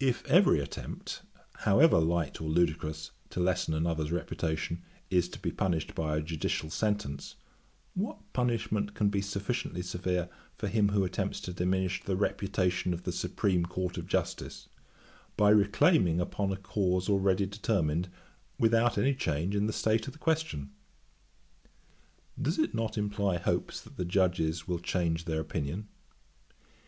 'If every attempt, however light or ludicrous, to lessen another's reputation, is to be punished by a judicial sentence, what punishment can be sufficiently severe for him who attempts to diminish the reputation of the Supreme Court of Justice, by reclaiming upon a cause already determined, without any change in the state of the question? Does it not imply hopes that the Judges will change their opinion?